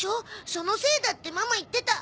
そのせいだってママ言ってた。